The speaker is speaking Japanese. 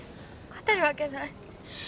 勝てるわけない。